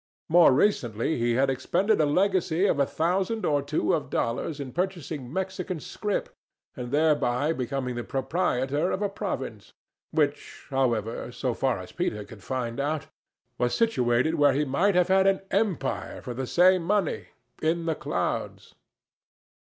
More recently he had expended a legacy of a thousand or two of dollars in purchasing Mexican scrip, and thereby became the proprietor of a province; which, however, so far as Peter could find out, was situated where he might have had an empire for the same money—in the clouds.